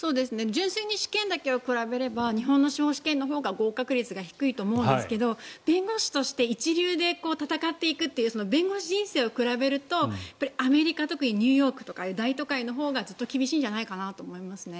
純粋に試験だけを比べれば日本の司法試験のほうが合格率が低いと思うんですけど弁護士として一流で闘っていくという弁護士人生を比べるとアメリカ、特にニューヨークとか大都会のほうがずっと厳しいんじゃないかなと思いますね。